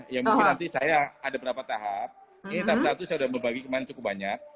ya mungkin nanti saya ada beberapa tahap ini satu satu saya sudah berbagi kemaren cukup banyak